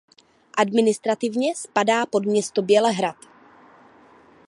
Administrativně spadá pod město Bělehrad.